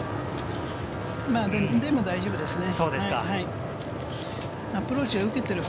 でも大丈夫ですね。